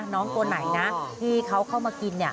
น้องคนไหนนะที่เขาเข้ามากิน